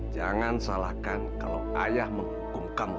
jangan salahkan kalau ayah menghukum kamu